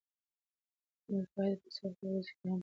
موږ باید په سختو ورځو کې هم صبر او شکر وکړو.